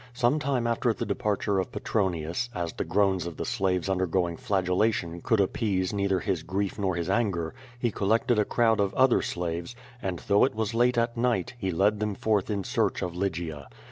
Some time after the departure of Petronius, as the groans of the slaves undergoing flagellation could appease neither his grief nor his anger^ he collected a crowd of other slaves, and, though it was late at night, he led them forth in search of Lygia.